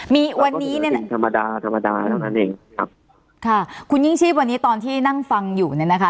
มีวันนี้เนี่ยนะคุณยิ่งชีพวันนี้ตอนที่นั่งฟังอยู่เนี่ยนะคะ